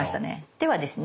ではですね